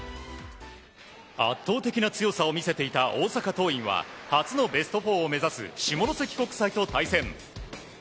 圧倒的な強さを見せていた大阪桐蔭は初のベスト４を目指す下関国際と対戦。